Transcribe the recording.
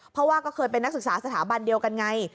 เพราะว่าก็เคยเป็นนักศึกษาสถาบันเดียวกันไง